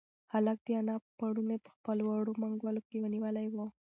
هلک د انا پړونی په خپلو وړو منگولو کې نیولی و.